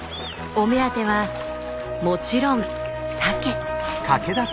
お目当てはもちろんサケ。